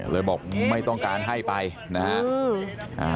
บอกไม่ต้องการให้ไปนะฮะ